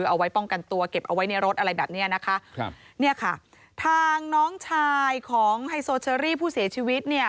เอาไว้ป้องกันตัวเก็บเอาไว้ในรถอะไรแบบเนี้ยนะคะครับเนี่ยค่ะทางน้องชายของไฮโซเชอรี่ผู้เสียชีวิตเนี่ย